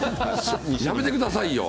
やめてくださいよ。